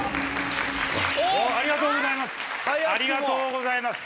ありがとうございます。